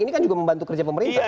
ini kan juga membantu kerja pemerintah